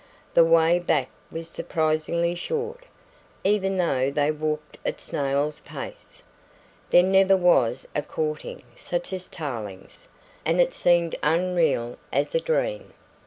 The way back was surprisingly short, even though they walked at snail's pace. There never was a courting such as Tarling's, and it seemed unreal as a dream.